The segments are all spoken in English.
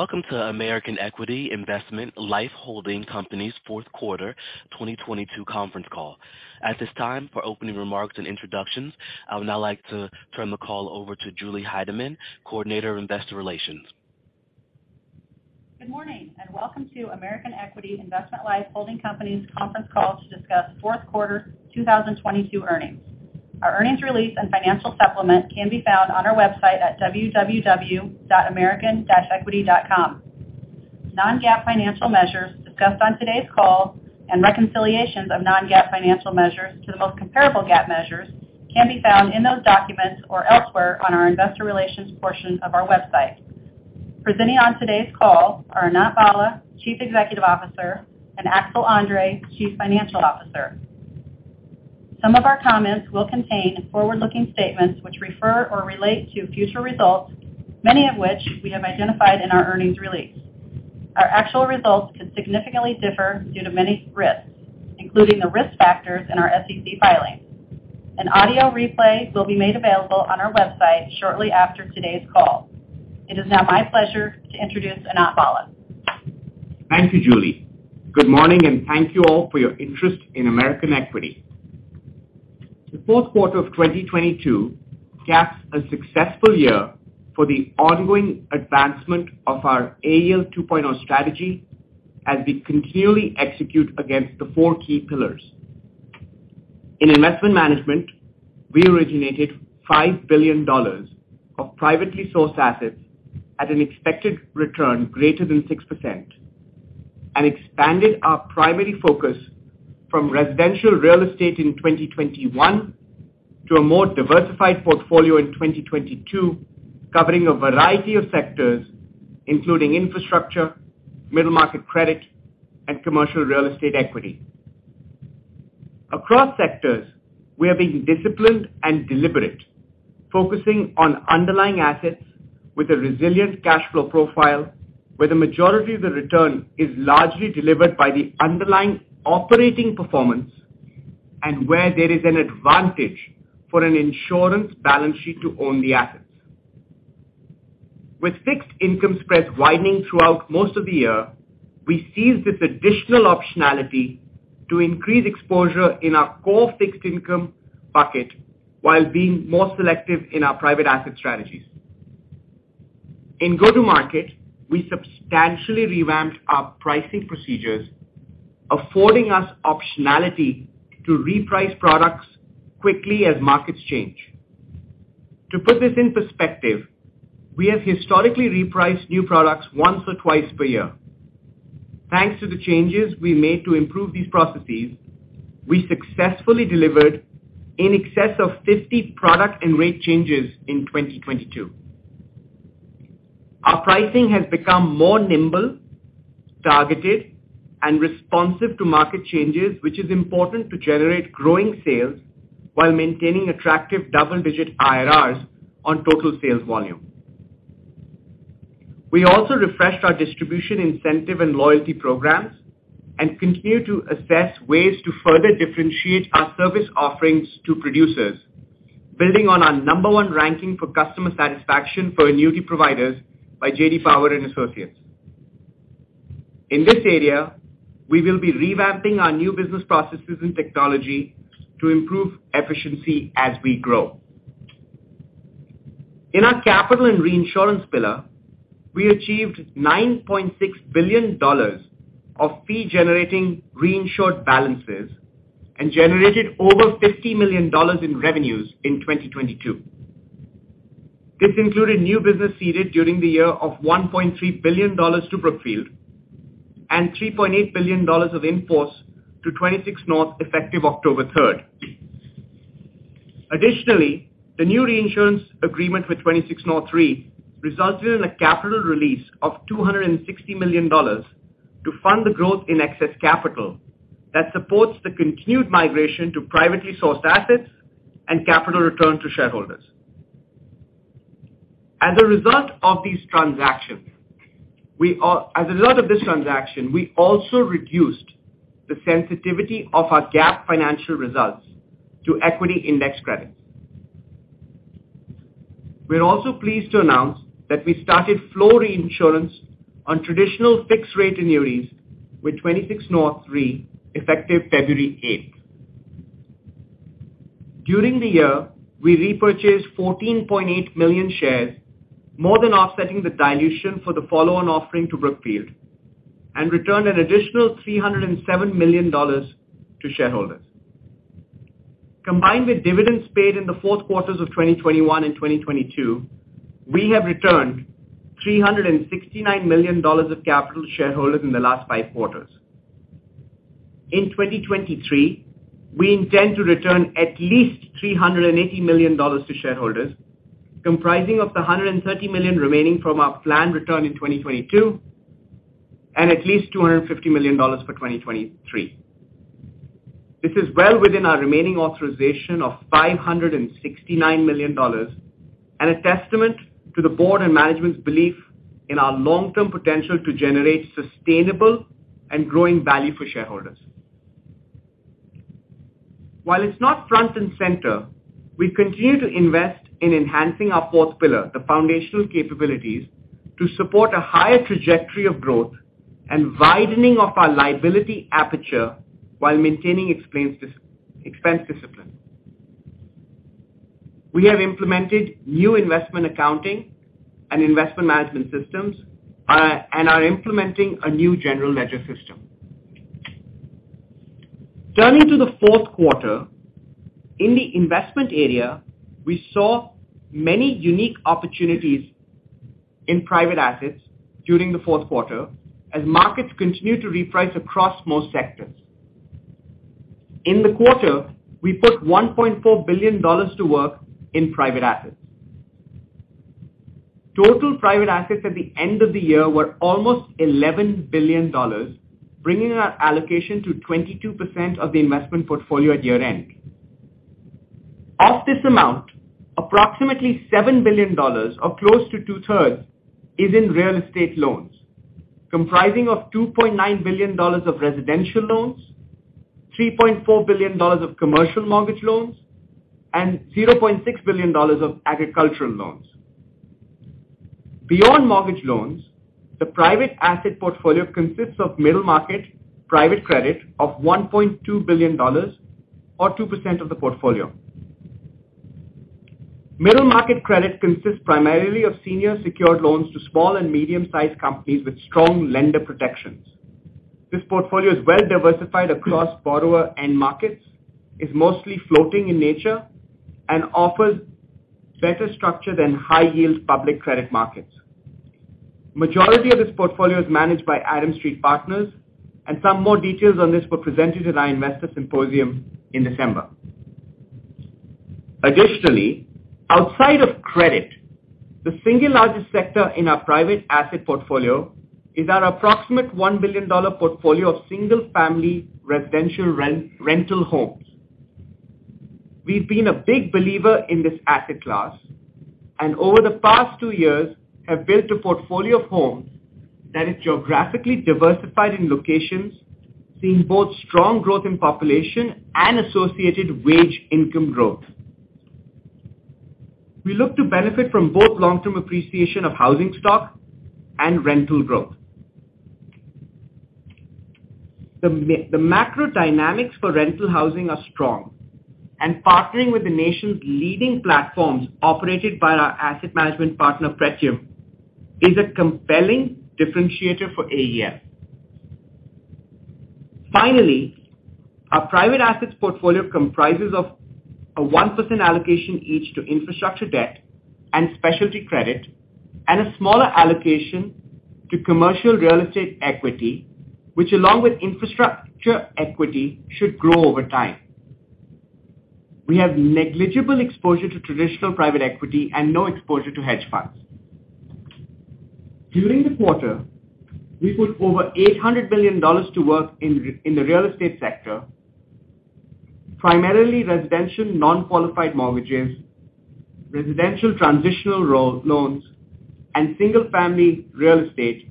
Welcome to American Equity Investment Life Holding Company's fourth quarter 2022 conference call. At this time, for opening remarks and introductions, I would now like to turn the Julia Heideman, coordinator of investor Relations. Good morning, and welcome to American Equity Investment Life Holding Company's conference call to discuss fourth quarter 2022 earnings. Our earnings release and financial supplement can be found on our website at www.american-equity.com. Non-GAAP financial measures discussed on today's call and reconciliations of non-GAAP financial measures to the most comparable GAAP measures can be found in those documents or elsewhere on our investor relations portion of our website. Presenting on today's call are Anant Bhalla, Chief Executive Officer, and Axel Andre, Chief Financial Officer. Some of our comments will contain forward-looking statements which refer or relate to future results, many of which we have identified in our earnings release. Our actual results could significantly differ due to many risks, including the risk factors in our SEC filings. An audio replay will be made available on our website shortly after today's call. It is now my pleasure to introduce Anant Bhalla. Thank you, Julie. Good morning, thank you all for your interest in American Equity. The fourth quarter of 2022 caps a successful year for the ongoing advancement of our AEL 2.0 strategy as we continually execute against the four key pillars. In investment management, we originated $5 billion of privately sourced assets at an expected return greater than 6% and expanded our primary focus from residential real estate in 2021 to a more diversified portfolio in 2022, covering a variety of sectors, including infrastructure, middle market credit, and commercial real estate equity. Across sectors, we are being disciplined and deliberate, focusing on underlying assets with a resilient cash flow profile where the majority of the return is largely delivered by the underlying operating performance and where there is an advantage for an insurance balance sheet to own the assets. With fixed income spreads widening throughout most of the year, we seized this additional optionality to increase exposure in our core fixed income bucket while being more selective in our private asset strategies. In go-to-market, we substantially revamped our pricing procedures, affording us optionality to reprice products quickly as markets change. To put this in perspective, we have historically repriced new products once or twice per year. Thanks to the changes we made to improve these processes, we successfully delivered in excess of 50 product and rate changes in 2022. Our pricing has become more nimble, targeted, and responsive to market changes which is important to generate growing sales while maintaining attractive double-digit IRRs on total sales volume. We also refreshed our distribution incentive and loyalty programs and continue to assess ways to further differentiate our service offerings to producers, building on our number one ranking for customer satisfaction for annuity providers by J.D. Power and Associates. In this area, we will be revamping our new business processes and technology to improve efficiency as we grow. In our capital and reinsurance pillar, we achieved $9.6 billion of fee-generating reinsured balances and generated over $50 million in revenues in 2022. This included new business ceded during the year of $1.3 billion to Brookfield and $3.8 billion of in-force to 26North effective October third. Additionally, the new reinsurance agreement with 26North resulted in a capital release of $260 million to fund the growth in excess capital that supports the continued migration to privately sourced assets and capital return to shareholders. As a result of this transaction, we also reduced the sensitivity of our GAAP financial results to equity index credits. We're also pleased to announce that we started flow reinsurance on traditional fixed-rate annuities with 26North, effective February 8th. During the year, we repurchased 14.8 million shares, more than offsetting the dilution for the follow-on offering to Brookfield and returned an additional $307 million to shareholders. Combined with dividends paid in the fourth quarters of 2021 and 2022, we have returned $369 million of capital to shareholders in the last 5 quarters. In 2023, we intend to return at least $380 million to shareholders, comprising of the $130 million remaining from our planned return in 2022 and at least $250 million for 2023. This is well within our remaining authorization of $569 million and a testament to the board and management's belief in our long-term potential to generate sustainable and growing value for shareholders. While it's not front and center, we continue to invest in enhancing our fourth pillar, the foundational capabilities, to support a higher trajectory of growth and widening of our liability aperture while maintaining explains dis-expense discipline. We have implemented new investment accounting and investment management systems and are implementing a new general ledger system. Turning to the fourth quarter, in the investment area, we saw many unique opportunities in private assets during the fourth quarter as markets continued to reprice across most sectors. In the quarter, we put $1.4 billion to work in private assets. Total private assets at the end of the year were almost $11 billion, bringing our allocation to 22% of the investment portfolio at year-end. Of this amount, approximately $7 billion, or close to two-thirds, is in real estate loans, comprising of $2.9 billion of residential loans, $3.4 billion of commercial mortgage loans, and $0.6 billion of agricultural loans. Beyond mortgage loans, the private asset portfolio consists of middle market private credit of $1.2 billion or 2% of the portfolio. Middle market credit consists primarily of senior secured loans to small and medium-sized companies with strong lender protections. Majority of this portfolio is managed by Adams Street Partners. Some more details on this were presented at our Investor Symposium in December. Additionally, outside of credit, the single largest sector in our private asset portfolio is our approximate $1 billion portfolio of single-family residential rent, rental homes. We've been a big believer in this asset class and over the past 2 years have built a portfolio of homes that is geographically diversified in locations, seeing both strong growth in population and associated wage income growth. We look to benefit from both long-term appreciation of housing stock and rental growth. The macro dynamics for rental housing are strong, partnering with the nation's leading platforms operated by our asset management partner, Pretium, is a compelling differentiator for AEF. Finally, our private assets portfolio comprises of a 1% allocation each to infrastructure debt and specialty credit, a smaller allocation to commercial real estate equity, which along with infrastructure equity, should grow over time. We have negligible exposure to traditional private equity and no exposure to hedge funds. During the quarter, we put over $800 million to work in the real estate sector, primarily residential non-qualified mortgages, residential transitional rol-loans, and single-family real estate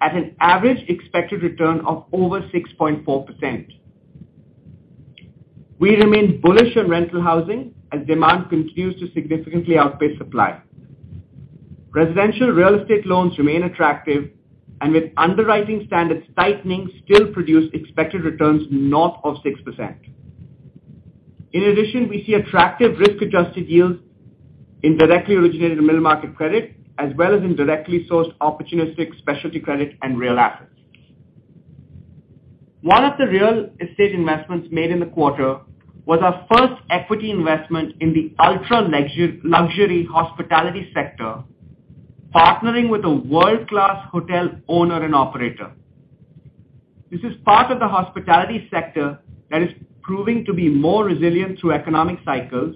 at an average expected return of over 6.4%. We remain bullish on rental housing as demand continues to significantly outpace supply. Residential real estate loans remain attractive and with underwriting standards tightening still produce expected returns north of 6%. In addition, we see attractive risk-adjusted yields in directly originated middle market credit as well as in directly sourced opportunistic specialty credit and real assets. One of the real estate investments made in the quarter was our first equity investment in the ultra-luxury hospitality sector, partnering with a world-class hotel owner and operator. This is part of the hospitality sector that is proving to be more resilient through economic cycles,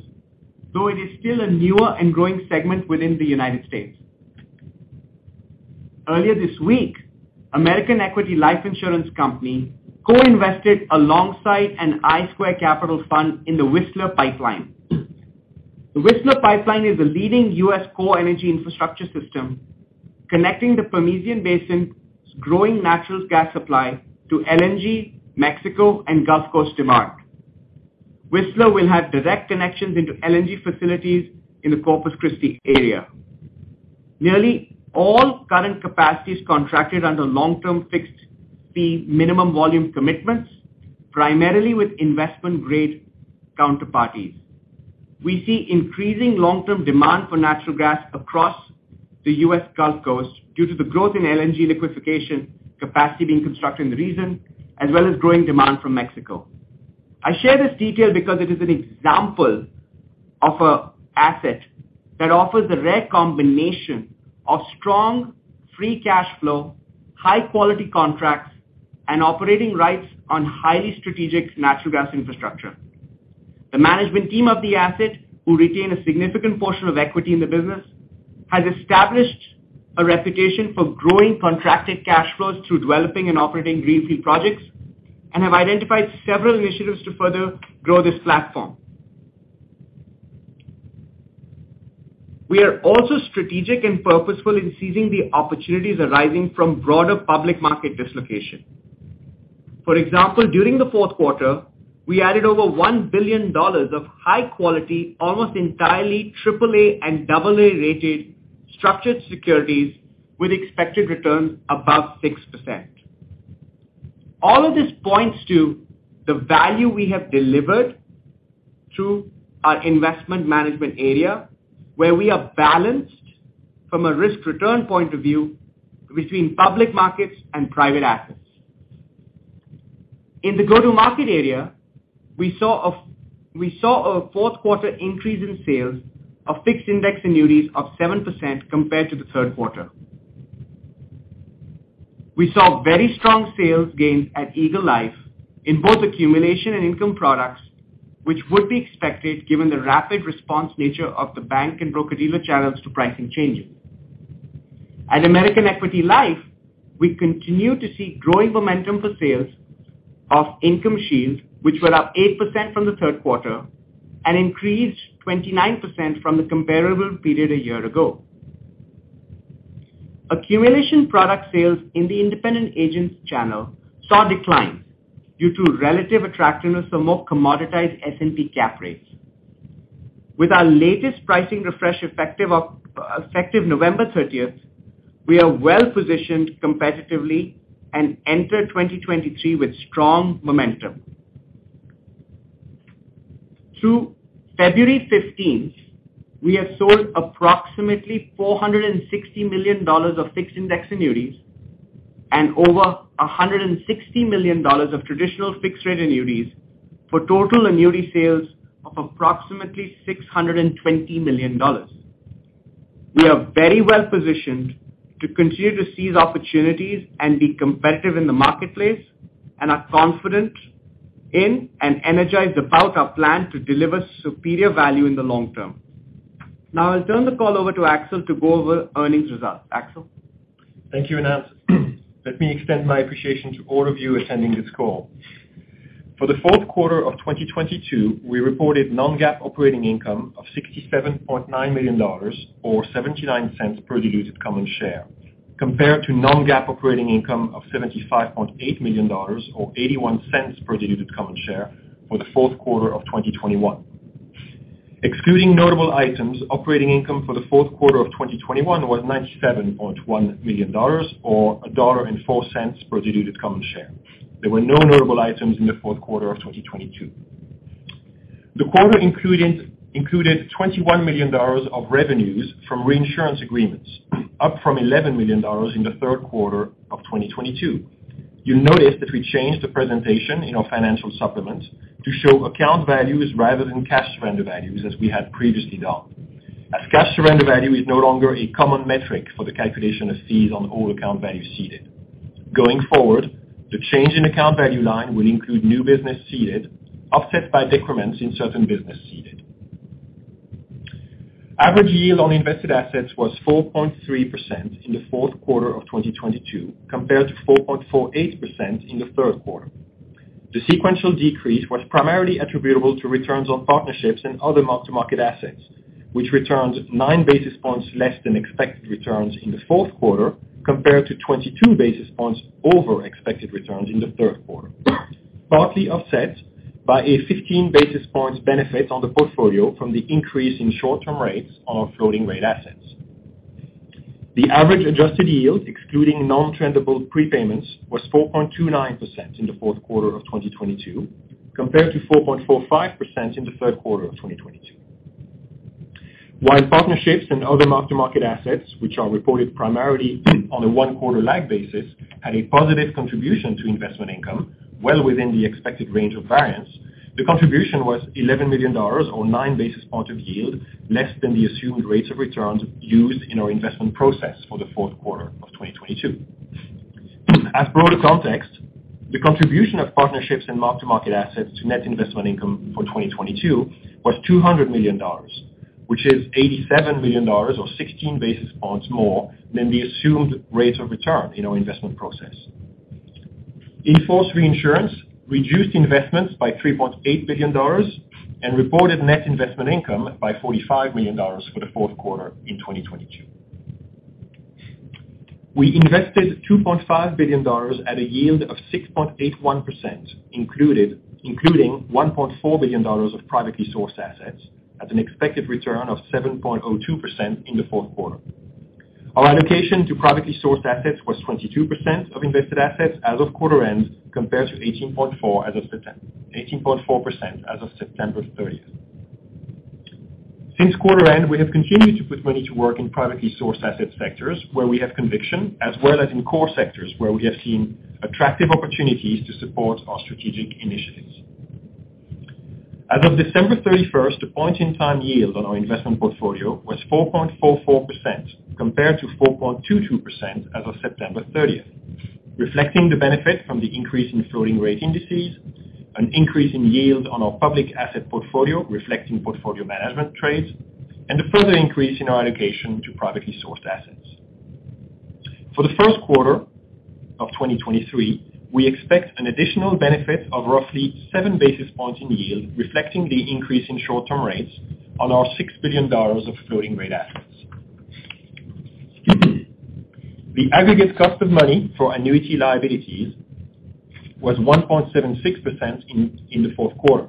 though it is still a newer and growing segment within the United States. Earlier this week, American Equity Investment Life Insurance Company co-invested alongside an I Squared Capital fund in the Whistler Pipeline. The Whistler Pipeline is the leading U.S. core energy infrastructure system connecting the Permian Basin's growing natural gas supply to LNG, Mexico and Gulf Coast demand. Whistler will have direct connections into LNG facilities in the Corpus Christi area. Nearly all current capacities contracted under long-term fixed-fee minimum volume commitments, primarily with investment-grade counterparties. We see increasing long-term demand for natural gas across the U.S. Gulf Coast due to the growth in LNG liquefaction capacity being constructed in the region as well as growing demand from Mexico. I share this detail because it is an example of a asset that offers a rare combination of strong free cash flow, high-quality contracts, and operating rights on highly strategic natural gas infrastructure. The management team of the asset, who retain a significant portion of equity in the business, has established a reputation for growing contracted cash flows through developing and operating greenfield projects and have identified several initiatives to further grow this platform. We are also strategic and purposeful in seizing the opportunities arising from broader public market dislocation. For example, during the fourth quarter, we added over $1 billion of high quality, almost entirely AAA and AA rated structured securities with expected returns above 6%. All of this points to the value we have delivered through our investment management area, where we are balanced from a risk-return point of view between public markets and private assets. In the go-to-market area, we saw a fourth quarter increase in sales of fixed index annuities of 7% compared to the third quarter. We saw very strong sales gains at Eagle Life in both accumulation and income products, which would be expected given the rapid response nature of the bank and broker-dealer channels to pricing changes. At American Equity Life, we continue to see growing momentum for sales of IncomeShield, which were up 8% from the third quarter and increased 29% from the comparable period a year ago. Accumulation product sales in the independent agents channel saw declines due to relative attractiveness for more commoditized S&P cap rates. With our latest pricing refresh effective November 30th, we are well positioned competitively and enter 2023 with strong momentum. Through February 15th, we have sold approximately $460 million of fixed index annuities and over $160 million of traditional fixed-rate annuities for total annuity sales of approximately $620 million. We are very well positioned to continue to seize opportunities and be competitive in the marketplace, and are confident in and energized about our plan to deliver superior value in the long term. Now I'll turn the call over to Axel to go over earnings results. Axel? Thank you, Anant Bhalla. Let me extend my appreciation to all of you attending this call. For the fourth quarter of 2022, we reported non-GAAP operating income of $67.9 million or $0.79 per diluted common share, compared to non-GAAP operating income of $75.8 million or $0.81 per diluted common share for the fourth quarter of 2021. Excluding notable items, operating income for the fourth quarter of 2021 was $97.1 million or $1.04 per diluted common share. There were no notable items in the fourth quarter of 2022. The quarter included $21 million of revenues from reinsurance agreements, up from $11 million in the third quarter of 2022. You'll notice that we changed the presentation in our financial supplements to show account values rather than cash surrender values as we had previously done, as cash surrender value is no longer a common metric for the calculation of fees on all account values ceded. Going forward, the change in account value line will include new business ceded offset by decrements in certain business ceded. Average yield on invested assets was 4.3% in the fourth quarter of 2022 compared to 4.48% in the third quarter. The sequential decrease was primarily attributable to returns on partnerships and other mark-to-market assets, which returns 9 basis points less than expected returns in the fourth quarter compared to 22 basis points over expected returns in the third quarter, partly offset by a 15 basis points benefit on the portfolio from the increase in short-term rates on our floating rate assets. The average adjusted yield, excluding non-trendable prepayments, was 4.29% in the fourth quarter of 2022 compared to 4.45% in the third quarter of 2022. While partnerships and other mark-to-market assets, which are reported primarily on a one-quarter lag basis, had a positive contribution to investment income well within the expected range of variance, the contribution was $11 million or 9 basis points of yield less than the assumed rates of returns used in our investment process for the fourth quarter of 2022. Broader context, the contribution of partnerships and mark-to-market assets to net investment income for 2022 was $200 million, which is $87 million or 16 basis points more than the assumed rate of return in our investment process. In-force reinsurance reduced investments by $3.8 billion and reported net investment income by $45 million for the fourth quarter in 2022. We invested $2.5 billion at a yield of 6.81%, including $1.4 billion of privately sourced assets at an expected return of 7.02% in the fourth quarter. Our allocation to privately sourced assets was 22% of invested assets as of quarter end, compared to 18.4% as of September 30th. Since quarter end, we have continued to put money to work in privately sourced asset sectors where we have conviction, as well as in core sectors where we have seen attractive opportunities to support our strategic initiatives. As of December 31st, the point in time yield on our investment portfolio was 4.44% compared to 4.22% as of September 30th, reflecting the benefit from the increase in floating rate indices, an increase in yield on our public asset portfolio reflecting portfolio management trades, and a further increase in our allocation to privately sourced assets. For the first quarter of 2023, we expect an additional benefit of roughly 7 basis points in yield, reflecting the increase in short-term rates on our $6 billion of floating rate assets. The aggregate cost of money for annuity liabilities was 1.76% in the fourth quarter,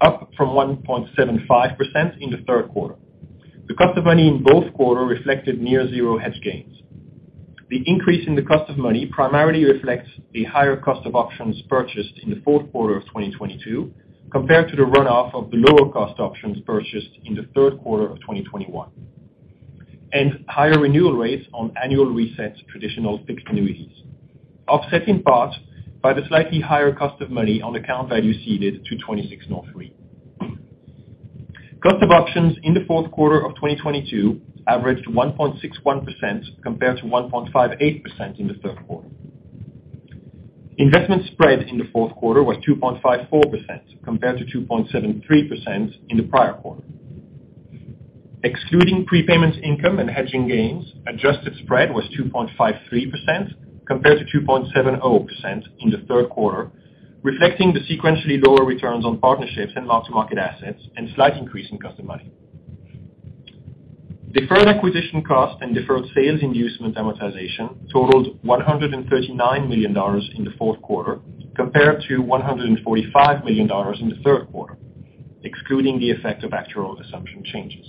up from 1.75% in the third quarter. The cost of money in both quarters reflected near zero hedge gains. The increase in the cost of money primarily reflects the higher cost of options purchased in the fourth quarter of 2022 compared to the run-off of the lower cost options purchased in the third quarter of 2021, and higher renewal rates on annual reset traditional fixed annuities, offset in part by the slightly higher cost of money on account value ceded to 26North three. Cost of options in the fourth quarter of 2022 averaged 1.61% compared to 1.58% in the third quarter. Investment spread in the fourth quarter was 2.54% compared to 2.73% in the prior quarter. Excluding prepayments income and hedging gains, adjusted spread was 2.53% compared to 2.70% in the third quarter, reflecting the sequentially lower returns on partnerships and mark-to-market assets and slight increase in cost of money. Deferred acquisition costs and deferred sales inducement amortization totaled $139 million in the fourth quarter compared to $145 million in the third quarter, excluding the effect of actuarial assumption changes.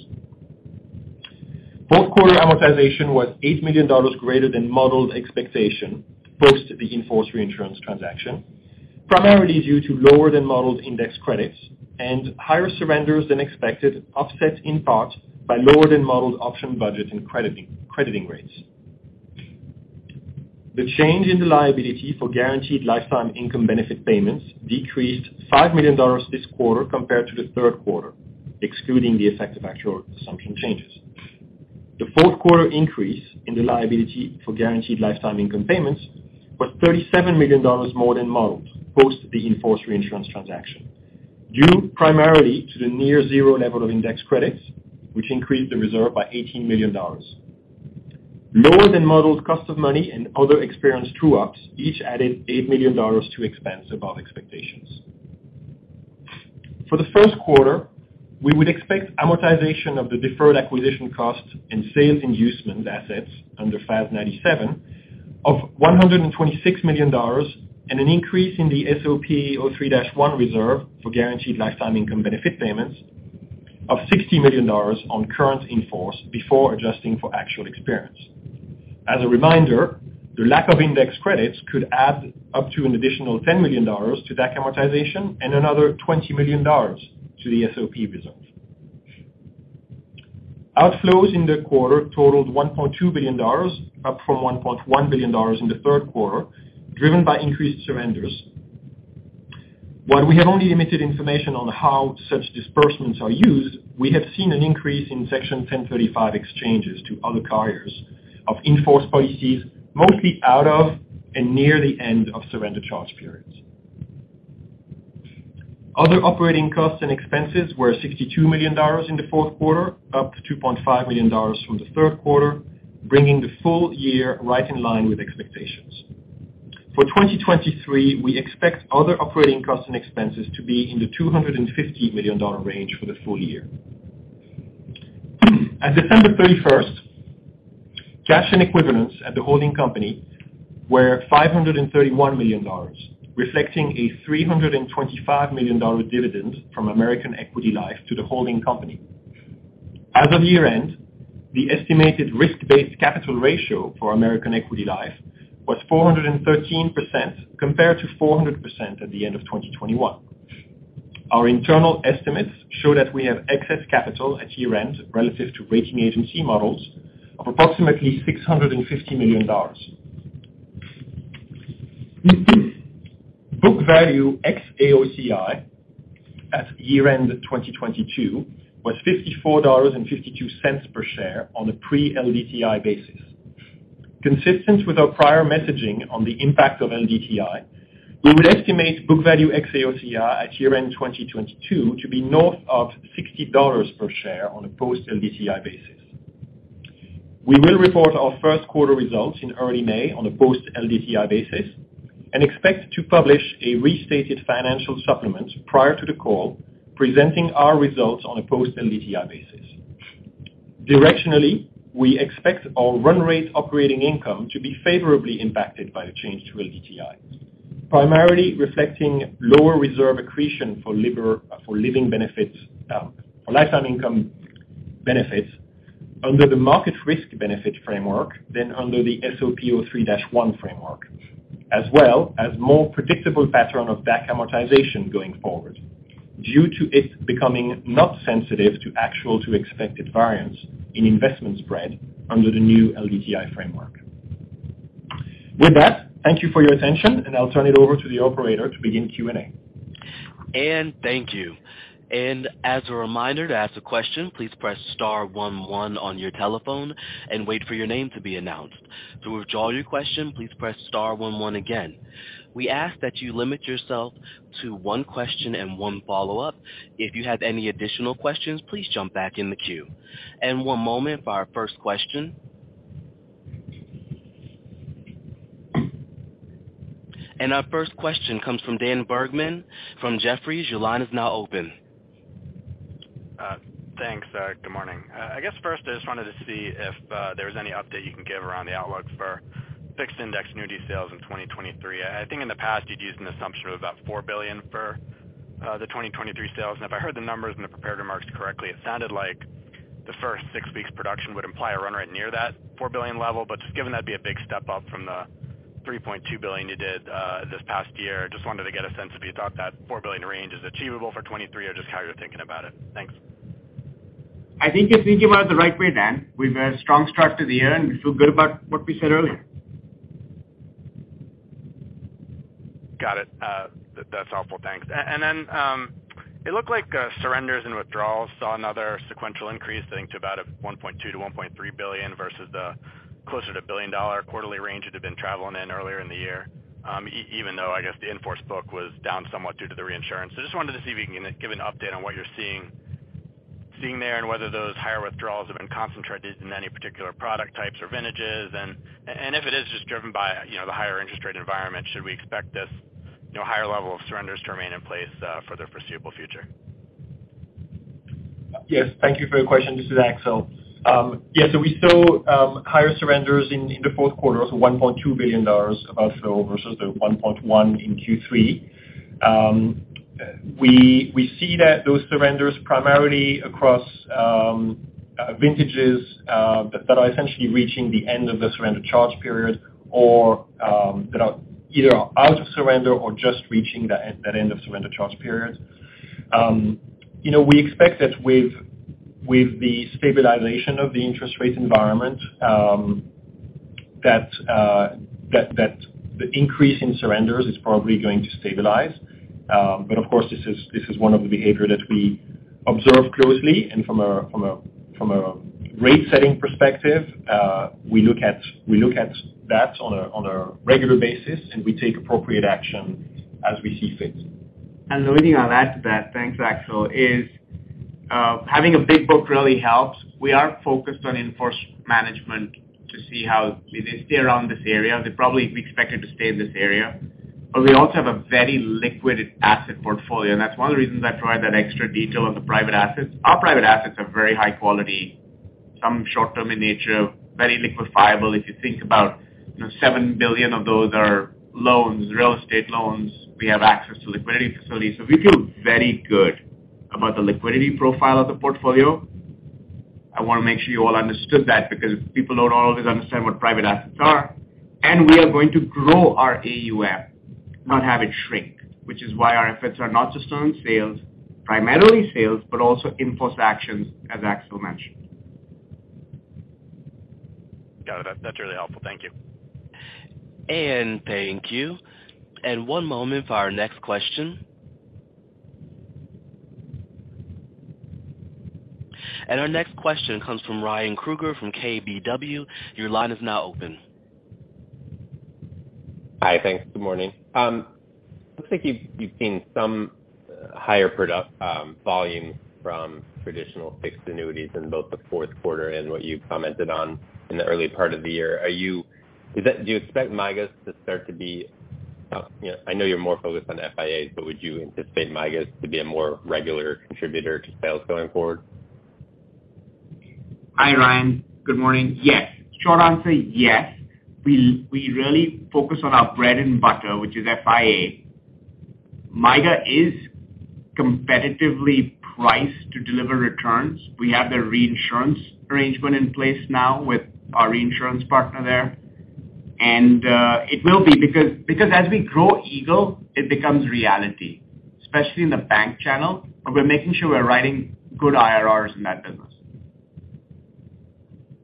Fourth quarter amortization was $8 million greater than modeled expectation post the in-force reinsurance transaction, primarily due to lower than modeled index credits and higher surrenders than expected, offset in part by lower than modeled option budget and crediting rates. The change in the liability for guaranteed lifetime income benefit payments decreased $5 million this quarter compared to the third quarter, excluding the effect of actuarial assumption changes. The fourth quarter increase in the liability for guaranteed lifetime income payments was $37 million more than modeled, post the in-force reinsurance transaction, due primarily to the near zero level of index credits, which increased the reserve by $18 million. Lower than modeled cost of money and other experience true-ups each added $8 million to expense above expectations. For the first quarter, we would expect amortization of the deferred acquisition cost and sales inducement assets under FAS 97 of $126 million and an increase in the SOP 03-1 reserve for guaranteed lifetime income benefit payments of $60 million on current in-force before adjusting for actual experience. As a reminder, the lack of index credits could add up to an additional $10 million to that amortization and another $20 million to the SOP reserve. Outflows in the quarter totaled $1.2 billion, up from $1.1 billion in the third quarter, driven by increased surrenders. While we have only limited information on how such disbursements are used, we have seen an increase in Section 1035 exchanges to other carriers of in-force policies, mostly out of and near the end of surrender charge periods. Other operating costs and expenses were $62 million in the fourth quarter, up $2.5 million from the third quarter, bringing the full year right in line with expectations. For 2023, we expect other operating costs and expenses to be in the $250 million range for the full year. At December 31st, cash and equivalents at the holding company were $531 million, reflecting a $325 million dividend from American Equity Life to the holding company. As of year-end, the estimated risk-based capital ratio for American Equity Life was 413%, compared to 400% at the end of 2021. Our internal estimates show that we have excess capital at year-end relative to rating agency models of approximately $650 million. Book value ex-AOCI at year-end 2022 was $54.52 per share on a pre-LDTI basis. Consistent with our prior messaging on the impact of LDTI, we would estimate book value ex-AOCI at year-end 2022 to be north of $60 per share on a post-LDTI basis. We will report our our first quarter results in early May on a post-LDTI basis and expect to publish a restated financial supplement prior to the call, presenting our results on a post-LDTI basis. Directionally, we expect our run rate operating income to be favorably impacted by the change to LDTI, primarily reflecting lower reserve accretion for living benefits, for lifetime income benefits under the Market Risk Benefit framework than under the SOP 03-1 framework, as well as more predictable pattern of DAC amortization going forward due to it becoming not sensitive to actual to expected variance in investment spread under the new LDTI framework. With that, thank you for your attention, and I'll turn it over to the operator to begin Q&A. Thank you. As a reminder, to ask a question, please press star one one on your telephone and wait for your name to be announced. To withdraw your question, please press star one one again. We ask that you limit yourself to one question and one follow-up. If you have any additional questions, please jump back in the queue. One moment for our first question. Our first question comes from Dan Bergman from Jefferies. Your line is now open. Thanks. Good morning. I guess first I just wanted to see if there was any update you can give around the outlook for fixed index annuity sales in 2023. I think in the past, you'd used an assumption of about $4 billion for the 2023 sales. If I heard the numbers in the prepared remarks correctly, it sounded like the first six weeks production would imply a run right near that $4 billion level. Just given that'd be a big step up from the $3.2 billion you did this past year, just wanted to get a sense if you thought that $4 billion range is achievable for 2023 or just how you're thinking about it. Thanks. I think you're thinking about it the right way, Dan. We've a strong start to the year, and we feel good about what we said earlier. Got it. That's helpful. Thanks. Then it looked like surrenders and withdrawals saw another sequential increase, I think to about $1.2 billion-$1.3 billion versus the closer to $1 billion quarterly range it had been traveling in earlier in the year, even though I guess the in-force book was down somewhat due to the reinsurance. Just wanted to see if you can give an update on what you're seeing there and whether those higher withdrawals have been concentrated in any particular product types or vintages. If it is just driven by, you know, the higher interest rate environment, should we expect this, you know, higher level of surrenders to remain in place for the foreseeable future? Yes. Thank you for your question. This is Axel. Yes, we saw higher surrenders in the fourth quarter of $1.2 billion versus the $1.1 billion in Q3. We see that those surrenders primarily across vintages that are essentially reaching the end of the surrender charge period or that are either out of surrender or just reaching the end of surrender charge period. You know, we expect that with the stabilization of the interest rate environment that the increase in surrenders is probably going to stabilize. Of course, this is one of the behavior that we observe closely. From a rate setting perspective, we look at that on a regular basis, and we take appropriate action as we see fit. The only thing I'll add to that, thanks Axel, is having a big book really helps. We are focused on in-force management to see how they stay around this area. They probably be expected to stay in this area. We also have a very liquid asset portfolio, and that's one of the reasons I provide that extra detail on the private assets. Our private assets are very high quality, some short-term in nature, very liquefiable. If you think about, you know, $7 billion of those are loans, real estate loans. We have access to liquidity facilities. We feel very good about the liquidity profile of the portfolio. I wanna make sure you all understood that because people don't always understand what private assets are. We are going to grow our AUM, not have it shrink, which is why our efforts are not just on sales, primarily sales, but also in-force actions, as Axel mentioned. Got it. That's really helpful. Thank you. Thank you. One moment for our next question. Our next question comes from Ryan Krueger from KBW. Your line is now open. Hi. Thanks. Good morning. Looks like you've seen some higher product volumes from traditional fixed annuities in both the fourth quarter and what you've commented on in the early part of the year. Do you expect MYGAs to start to be, you know, I know you're more focused on FIAs, but would you anticipate MYGAs to be a more regular contributor to sales going forward? Hi, Ryan. Good morning. Yes. Short answer, yes. We really focus on our bread and butter, which is FIA. MYGA is competitively priced to deliver returns. We have the reinsurance arrangement in place now with our reinsurance partner there. It will be because as we grow Eagle, it becomes reality, especially in the bank channel. We're making sure we're writing good IRRs in that business.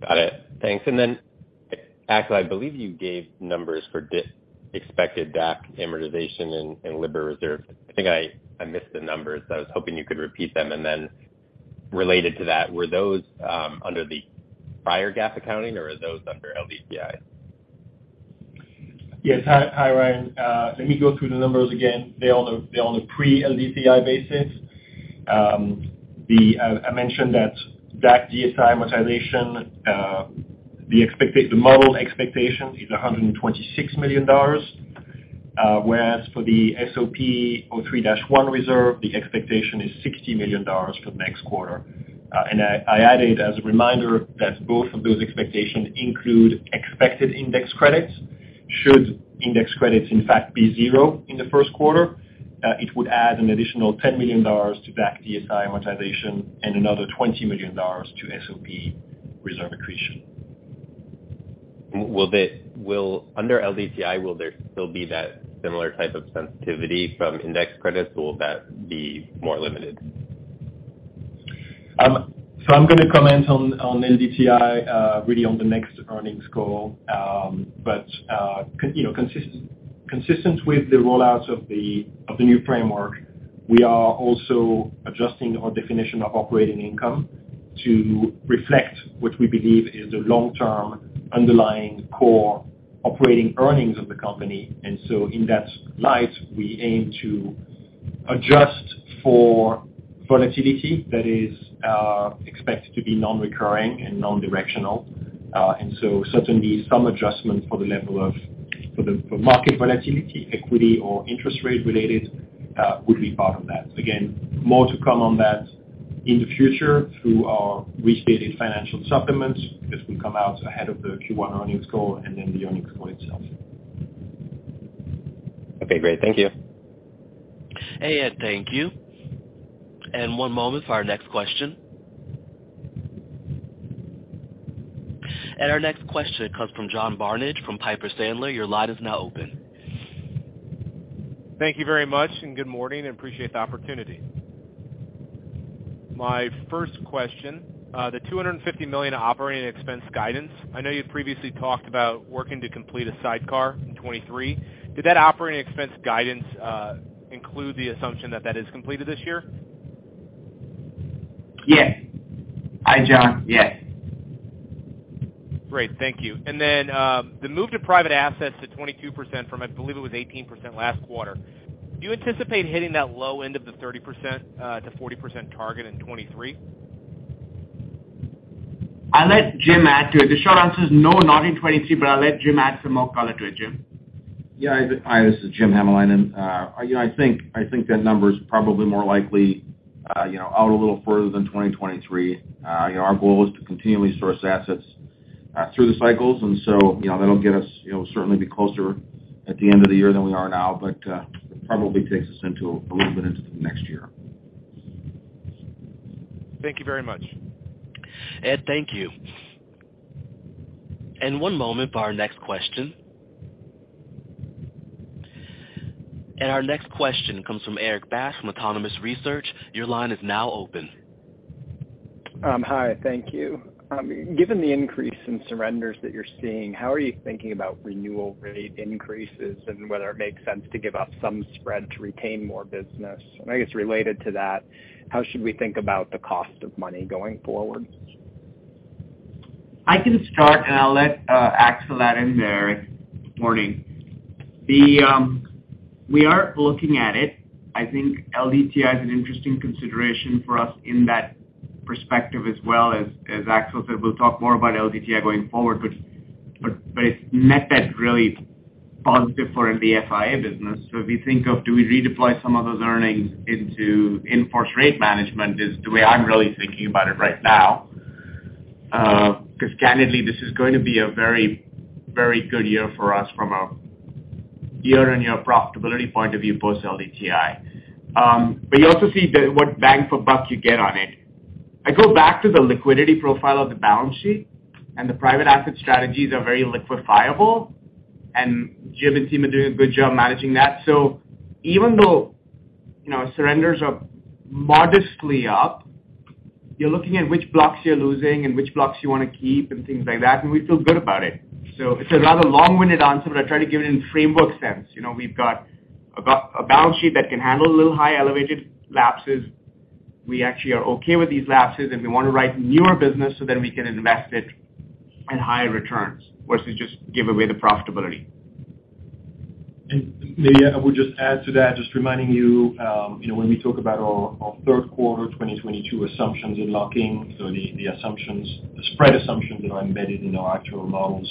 Got it. Thanks. Then, Axel, I believe you gave numbers for expected DAC amortization in LIBOR reserves. I think I missed the numbers. I was hoping you could repeat them. Then related to that, were those under the prior GAAP accounting, or are those under LDTI? Yes. Hi, hi, Ryan. Let me go through the numbers again. They're on a pre-LDTI basis. I mentioned that DAC DSI amortization, the model expectation is $126 million. Whereas for the SOP 03-1 reserve, the expectation is $60 million for the next quarter. I added as a reminder that both of those expectations include expected index credits. Should index credits in fact be zero in the first quarter, it would add an additional $10 million to DAC DSI amortization and another $20 million to SOP reserve accretion. Will under LDTI, will there still be that similar type of sensitivity from index credits, or will that be more limited? I'm gonna comment on LDTI really on the next earnings call. you know, consistent with the rollouts of the new framework, we are also adjusting our definition of operating income to reflect what we believe is the long-term underlying core operating earnings of the company. In that light, we aim to Adjust for volatility that is expected to be non-recurring and non-directional. Certainly some adjustment for the market volatility, equity or interest rate related, would be part of that. Again, more to come on that in the future through our restated financial supplements, as we come out ahead of the Q1 earnings call and then the earnings call itself. Okay, great. Thank you. Hey, Ed. Thank you. One moment for our next question. Our next question comes from John Barnidge from Piper Sandler. Your line is now open. Thank you very much, and good morning, and appreciate the opportunity. My first question, the $250 million operating expense guidance. I know you previously talked about working to complete a sidecar in 2023. Did that operating expense guidance include the assumption that that is completed this year? Yes. Hi, John. Yes. Great. Thank you. The move to private assets to 22% from, I believe it was 18% last quarter, do you anticipate hitting that low end of the 30%-40% target in 2023? I'll let Jim add to it. The short answer is no, not in 2023, but I'll let Jim add some more color to it. Jim? Yeah. Hi, this is Jim Hamalainen. You know, I think that number's probably more likely, you know, out a little further than 2023. You know, our goal is to continually source assets through the cycles, and so, you know, that'll get us, you know, certainly be closer at the end of the year than we are now. It probably takes us into a little bit into the next year. Thank you very much. Ed, thank you. One moment for our next question. Our next question comes from Erik Bass with Autonomous Research. Your line is now open. Hi. Thank you. Given the increase in surrenders that you're seeing, how are you thinking about renewal rate increases and whether it makes sense to give up some spread to retain more business? I guess related to that, how should we think about the cost of money going forward? I can start, and I'll let Axel add in there. Erik, good morning. The, we are looking at it. I think LDTI is an interesting consideration for us in that perspective as well. As Axel said, we'll talk more about LDTI going forward, but it's net that's really positive for MBFIA business. If you think of do we redeploy some of those earnings into in-force rate management is the way I'm really thinking about it right now. Because candidly this is going to be a very, very good year for us from a year-on-year profitability point of view post LDTI. You also see the what bang for buck you get on it. I go back to the liquidity profile of the balance sheet, and the private asset strategies are very liquefiable, and Jim and team are doing a good job managing that. Even though, you know, surrenders are modestly up, you're looking at which blocks you're losing and which blocks you wanna keep and things like that, and we feel good about it. It's a rather long-winded answer, but I try to give it in framework sense. You know, we've got a balance sheet that can handle a little high elevated lapses. We actually are okay with these lapses, and we wanna write newer business so that we can invest it in higher returns versus just give away the profitability. Maybe I would just add to that, just reminding you know, when we talk about our third quarter 2022 assumptions in locking, so the assumptions, the spread assumptions that are embedded in our actual models,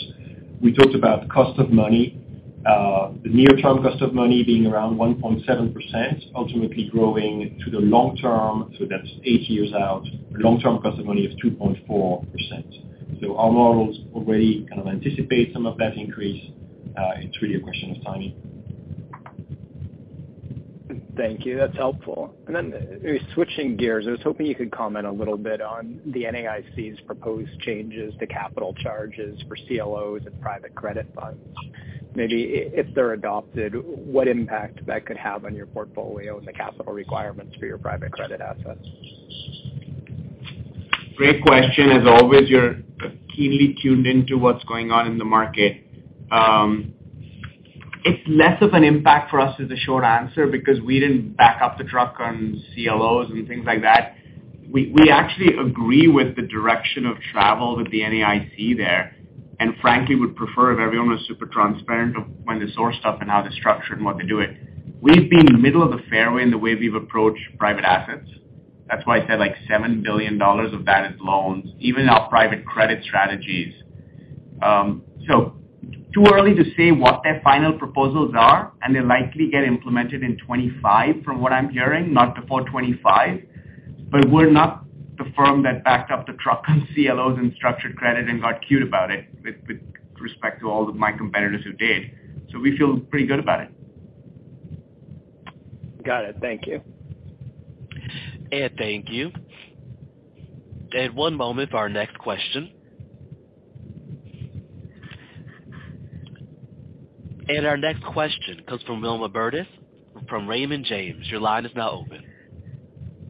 we talked about cost of money, the near term cost of money being around 1.7%, ultimately growing to the long term, so that's 8 years out. Long term cost of money is 2.4%. Our models already kind of anticipate some of that increase. It's really a question of timing. Thank you. That's helpful. Switching gears, I was hoping you could comment a little bit on the NAIC's proposed changes to capital charges for CLOs and private credit funds. Maybe if they're adopted, what impact that could have on your portfolio and the capital requirements for your private credit assets? Great question. As always, you're keenly tuned into what's going on in the market. It's less of an impact for us is the short answer because we didn't back up the truck on CLOs and things like that. We actually agree with the direction of travel with the NAIC there, and frankly, would prefer if everyone was super transparent of when they source stuff and how they structure it and what they do it. We've been in the middle of the fairway in the way we've approached private assets. That's why I said, like, $7 billion of that is loans, even our private credit strategies. Too early to say what their final proposals are, and they'll likely get implemented in 25 from what I'm hearing, not before 25. We're not the firm that backed up the truck on CLOs and structured credit and got cute about it with respect to all of my competitors who did. We feel pretty good about it. Got it. Thank you. Ed, thank you. One moment for our next question. Our next question comes from Wilma Burdis from Raymond James. Your line is now open.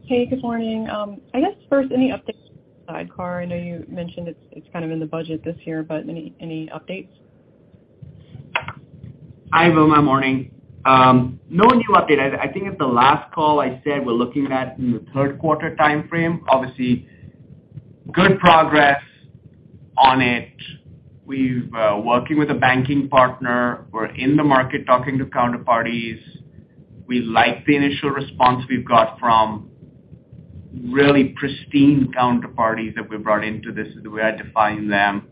Hey, good morning. I guess first, any updates on the sidecar? I know you mentioned it's kind of in the budget this year, but any updates? Hi, Wilma. Morning. No new update. I think at the last call I said we're looking at in the 3rd quarter timeframe. Obviously. Good progress on it. We've working with a banking partner. We're in the market talking to counterparties. We like the initial response we've got from really pristine counterparties that we've brought into this, is the way I define them.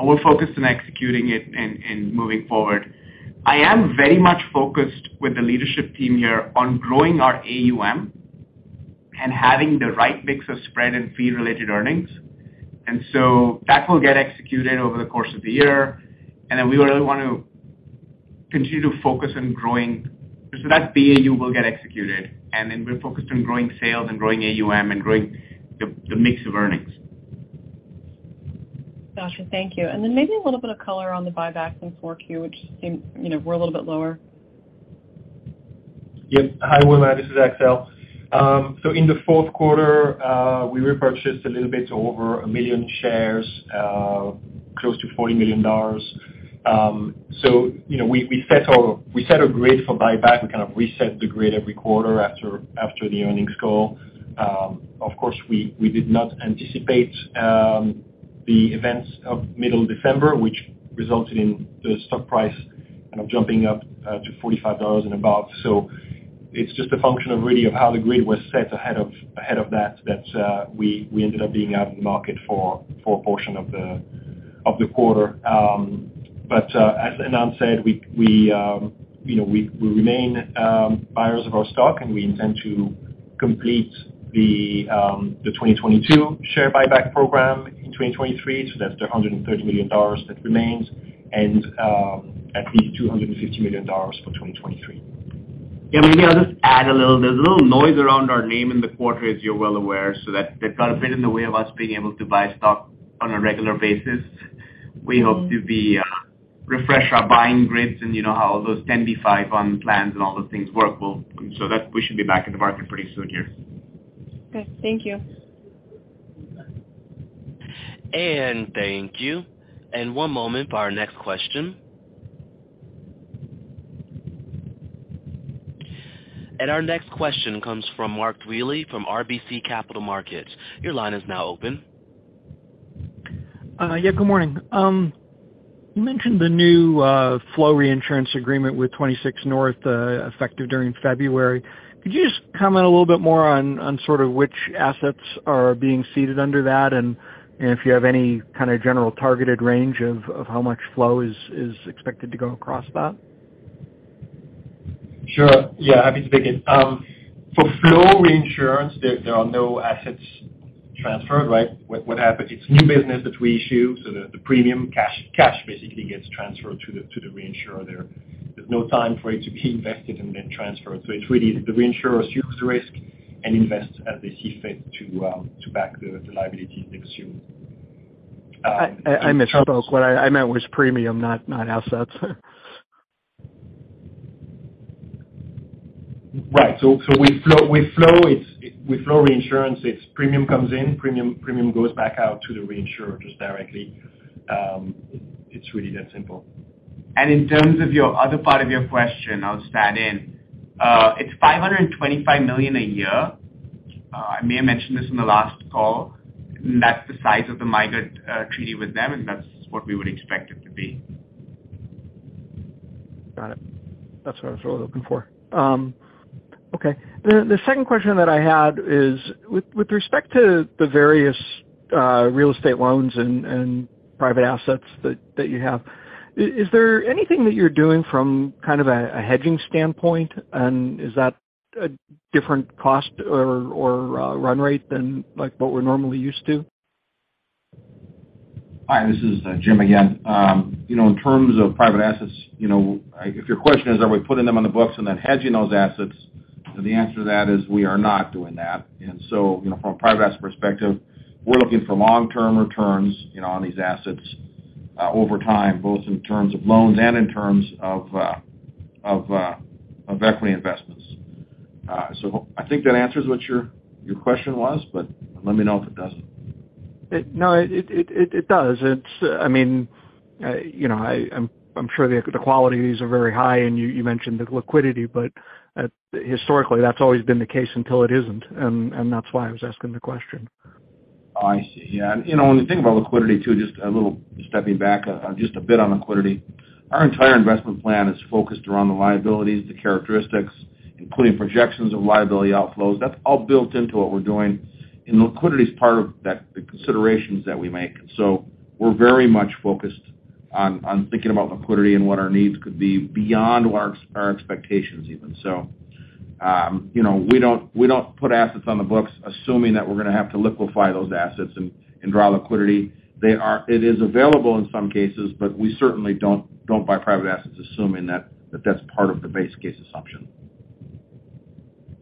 We're focused on executing it and moving forward. I am very much focused with the leadership team here on growing our AUM and having the right mix of spread and fee-related earnings. That will get executed over the course of the year. We really want to continue to focus on growing. That BAU will get executed, and then we're focused on growing sales and growing AUM and growing the mix of earnings. Gotcha. Thank you. Then maybe a little bit of color on the buyback in 4-Q, which seems, you know, we're a little bit lower. Yes. Hi, Wilma, this is Axel. In the fourth quarter, we repurchased a little bit over 1 million shares, close to $40 million. You know, we set our grid for buyback. We kind of reset the grid every quarter after the earnings call. Of course, we did not anticipate the events of middle December, which resulted in the stock price kind of jumping up to $45 and above. It's just a function of really of how the grid was set ahead of that, we ended up being out in the market for a portion of the quarter. As Anant said, we, you know, we remain buyers of our stock, and we intend to complete the 2022 share buyback program in 2023, that's the $130 million that remains and at least $250 million for 2023. Yeah, maybe I'll just add a little. There's a little noise around our name in the quarter, as you're well aware, so that that got a bit in the way of us being able to buy stock on a regular basis. We hope to be refresh our buying grids and you know how those 10b5-1 plans and all those things work well, so that we should be back in the market pretty soon here. Okay, thank you. Thank you. One moment for our next question. Our next question comes from Mark Dwelle from RBC Capital Markets. Your line is now open. Yeah, good morning. You mentioned the new flow reinsurance agreement with 26North, effective during February. Could you just comment a little bit more on sort of which assets are being ceded under that and if you have any kind of general targeted range of how much flow is expected to go across that? Sure. Yeah, I can take it. For flow reinsurance, there are no assets transferred, right? What happens, it's new business that we issue, so the premium cash basically gets transferred to the reinsurer there. There's no time for it to be invested and then transferred. It's really the reinsurer assumes the risk and invests as they see fit to back the liability they've assumed. I misspoke. What I meant was premium, not assets. Right. With flow reinsurance, it's premium comes in, premium goes back out to the reinsurers directly. It's really that simple. In terms of your other part of your question, I'll sat in. It's $525 million a year. I may have mentioned this in the last call. That's the size of the migrant, treaty with them, and that's what we would expect it to be. Got it. That's what I was really looking for. Okay. The second question that I had is with respect to the various real estate loans and private assets that you have, is there anything that you're doing from kind of a hedging standpoint? Is that a different cost or run rate than like what we're normally used to? Hi, this is Jim again. You know, in terms of private assets, you know, if your question is are we putting them on the books and then hedging those assets, then the answer to that is we are not doing that. You know, from a private asset perspective, we're looking for long-term returns, you know, on these assets over time, both in terms of loans and in terms of equity investments. I think that answers what your question was, but let me know if it doesn't. No, it does. It's, I mean, you know, I'm sure the qualities are very high, and you mentioned the liquidity, but, historically, that's always been the case until it isn't. That's why I was asking the question. I see. Yeah. You know, when you think about liquidity too, just a little stepping back, just a bit on liquidity, our entire investment plan is focused around the liabilities, the characteristics, including projections of liability outflows. That's all built into what we're doing. Liquidity is part of that, the considerations that we make. We're very much focused on thinking about liquidity and what our needs could be beyond our expectations even. You know, we don't put assets on the books assuming that we're gonna have to liquefy those assets and draw liquidity. It is available in some cases, but we certainly don't buy private assets assuming that that's part of the base case assumption.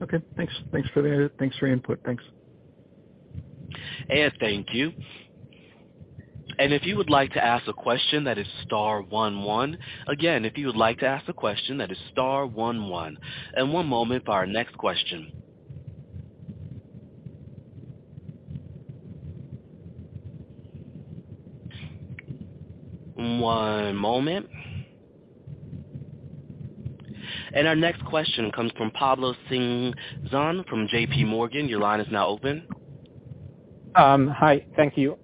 Okay. Thanks. Thanks for your input. Thanks. Thank you. If you would like to ask a question, that is star one one. Again, if you would like to ask a question, that is star one one. One moment for our next question. One moment. Our next question comes from Pablo Singzon from JPMorgan. Your line is now open. Hi. Thank you.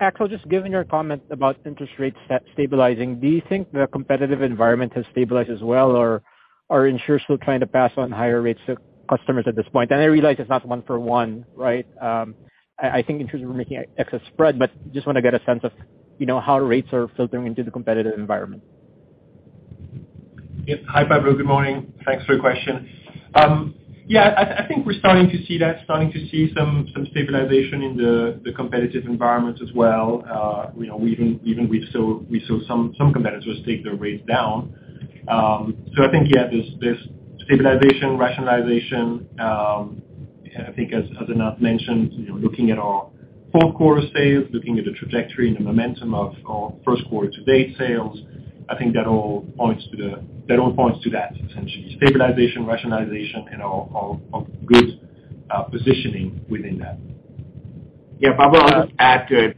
Axel, just given your comment about interest rates stabilizing, do you think the competitive environment has stabilized as well, or are insurers still trying to pass on higher rates to customers at this point? I realize it's not one for one, right? I think insurers were making excess spread, but just wanna get a sense of, you know, how rates are filtering into the competitive environment. Yes. Hi, Pablo. Good morning. Thanks for your question. Yeah, I think we're starting to see that, starting to see some stabilization in the competitive environment as well. You know, we even we saw some competitors take their rate down. I think, yeah, there's stabilization, rationalization. I think as Anant mentioned, you know, looking at our fourth quarter sales, looking at the trajectory and the momentum of our first quarter to date sales, I think that all points to that essentially. Stabilization, rationalization, and our good positioning within that. Yeah. Pablo, I'll just add to it.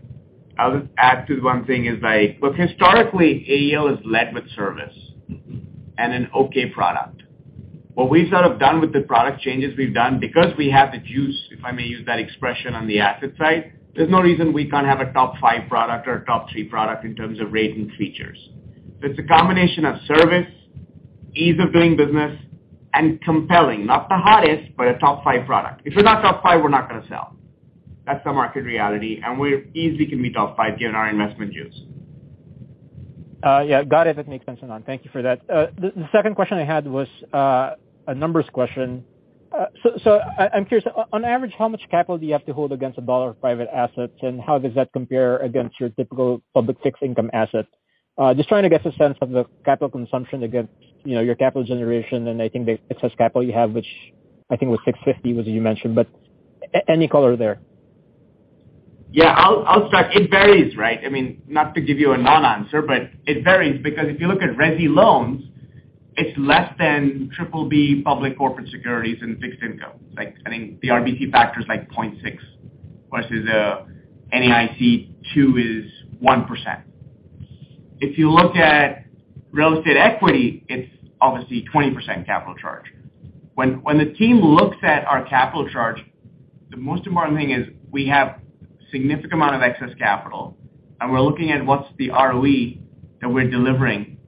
I'll just add to the one thing is like, look, historically, AEL is led with service. An okay product. What we've sort of done with the product changes we've done, because we have the juice, if I may use that expression, on the asset side, there's no reason we can't have a top five product or a top three product in terms of rate and features. It's a combination of service, ease of doing business, and compelling, not the hottest, but a top five product. If we're not top five, we're not gonna sell. That's the market reality. We easily can be top five given our investment juice. Yeah. Got it. That makes sense, Anant. Thank you for that. The second question I had was a numbers question. I'm curious, on average, how much capital do you have to hold against a dollar of private assets, and how does that compare against your typical public fixed income asset? Just trying to get a sense of the capital consumption against, you know, your capital generation, and I think the excess capital you have, which I think was $650, as you mentioned. Any color there. Yeah, I'll start. It varies, right? I mean, not to give you a non-answer, but it varies because if you look at resi loans, it's less than triple B public corporate securities and fixed income. Like, I think the RBC factor is like 0.6 versus NAIC 2 is 1%. If you look at real estate equity, it's obviously 20% capital charge. When the team looks at our capital charge, the most important thing is we have significant amount of excess capital, and we're looking at what's the ROE that we're delivering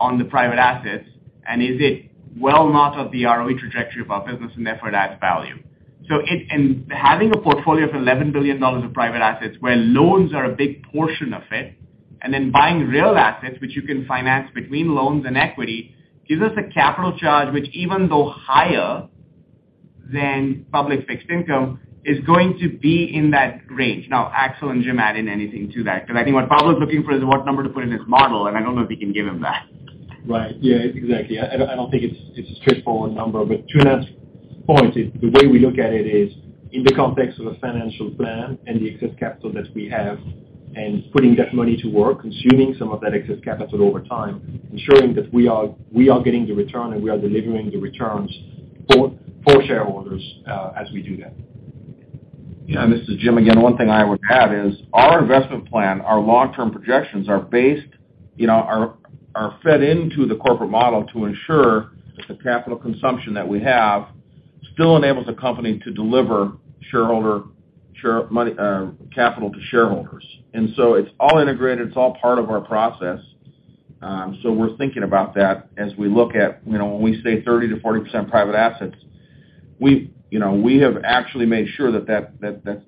on the private assets, and is it well north of the ROE trajectory of our business and therefore adds value. It... Having a portfolio of $11 billion of private assets where loans are a big portion of it, and then buying real assets which you can finance between loans and equity, gives us a capital charge which even though higher than public fixed income, is going to be in that range. Axel and Jim add in anything to that because I think what Pablo's looking for is what number to put in his model, and I don't know if we can give him that. Right. Yeah, exactly. I don't think it's a straightforward number. To Anant's point is the way we look at it is in the context of a financial plan and the excess capital that we have and putting that money to work, consuming some of that excess capital over time, ensuring that we are getting the return and we are delivering the returns for shareholders as we do that. Yeah. This is Jim again. One thing I would add is our investment plan, our long-term projections are based, you know, are fed into the corporate model to ensure that the capital consumption that we have still enables the company to deliver capital to shareholders. It's all integrated, it's all part of our process. We're thinking about that as we look at, you know, when we say 30%-40% private assets, we have actually made sure that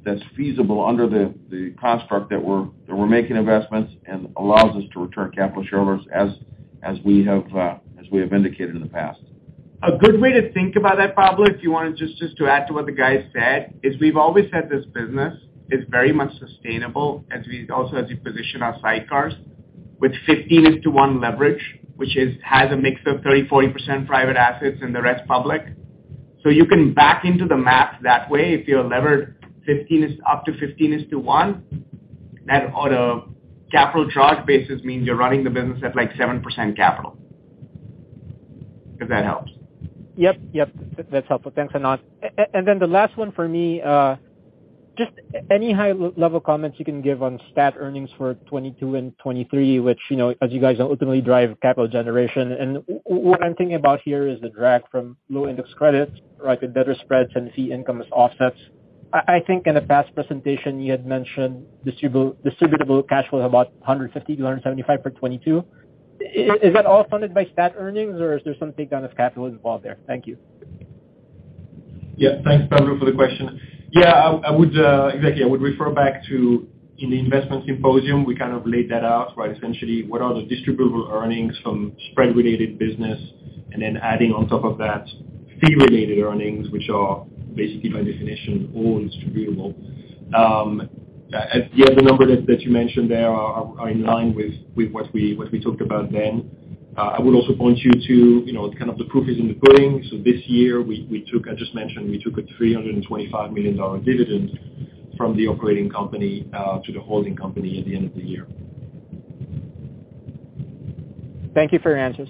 that's feasible under the construct that we're making investments and allows us to return capital to shareholders as we have indicated in the past. A good way to think about that, Pablo, if you wanted just to add to what the guys said, is we've always said this business is very much sustainable as we also as we position our sidecars with 15 is to 1 leverage, which is has a mix of 30%, 40% private assets and the rest public. You can back into the math that way. If you're levered 15 is up to 15 is to 1, that on a capital charge basis means you're running the business at like 7% capital. If that helps. Yep. That's helpful. Thanks, Anant. Then the last one for me, just any high-level comments you can give on stat earnings for 2022 and 2023, which, you know, as you guys ultimately drive capital generation. What I'm thinking about here is the drag from low index credits, right, with better spreads and fee income as offsets. I think in a past presentation you had mentioned distributable cash flow of about $150-$175 for 2022. Is that all funded by stat earnings or is there some takedown of capital involved there? Thank you. Thanks, Pablo, for the question. I would exactly refer back to in the Investor Symposium, we kind of laid that out, right? Essentially, what are the distributable earnings from spread-related business, and then adding on top of that fee-related earnings which are basically by definition all distributable. The number that you mentioned there are in line with what we talked about then. I would also point you to, you know, kind of the proof is in the pudding. This year we took, I just mentioned, we took a $325 million dividend from the operating company to the holding company at the end of the year. Thank you for your answers.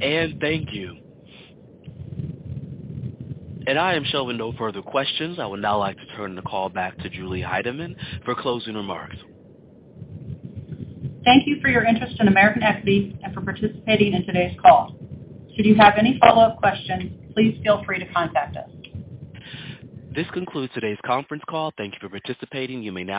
Thank you. I am showing no further questions. I would now like to turn the Julie Heidemann for closing remarks. Thank you for your interest in American Equity and for participating in today's call. Should you have any follow-up questions, please feel free to contact us. This concludes today's conference call. Thank you for participating. You may now disconnect.